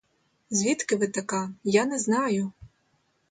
Звідки ви така, я не знаю.